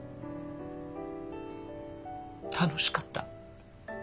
楽しかった。